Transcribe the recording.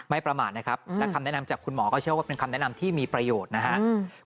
ประมาทนะครับและคำแนะนำจากคุณหมอก็เชื่อว่าเป็นคำแนะนำที่มีประโยชน์นะครับ